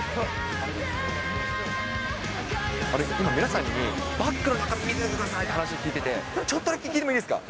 あれ、今、皆さんに、バッグの中身見せてくださいって話聞いてて、ちょっとだけ聞いてもいいですか。